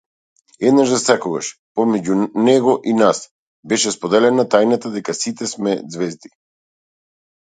Еднаш засекогаш, помеѓу него и нас, беше споделена тајната дека сите сме ѕвезди.